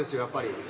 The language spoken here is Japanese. やっぱり。